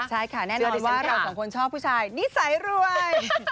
ใช่ค่ะแน่นอนว่าเราสองคนชอบผู้ชายนิสัยรวย